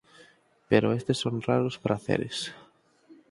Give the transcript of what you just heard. Pero estes son raros praceres.